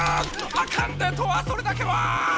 あかんでトアそれだけは！